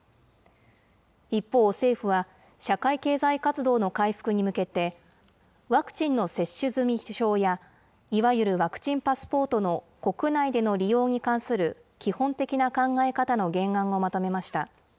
一方、政府は、社会経済活動の回復に向けて、ワクチンの接種済証や、いわゆるワクチンパスポートの国内での利用に関する基本的な考え方の原案をまとめました。